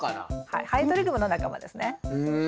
はいハエトリグモの仲間ですね。